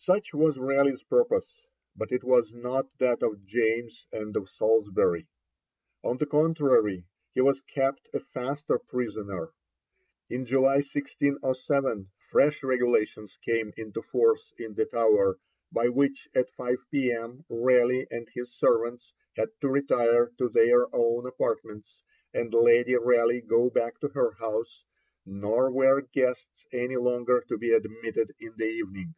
Such was Raleigh's purpose; but it was not that of James and of Salisbury. On the contrary, he was kept a faster prisoner. In July 1607, fresh regulations came into force in the Tower, by which at 5 P.M. Raleigh and his servants had to retire to their own apartments, and Lady Raleigh go back to her house, nor were guests any longer to be admitted in the evening.